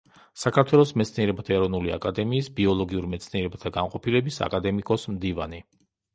საქართველოს მეცნიერებათა ეროვნული აკადემიის ბიოლოგიურ მეცნიერებათა განყოფილების აკადემიკოს მდივანი.